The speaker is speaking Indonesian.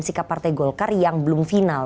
sikap partai golkar yang belum final